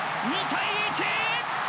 ２対１！